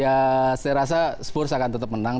ya saya rasa spurs akan tetap menang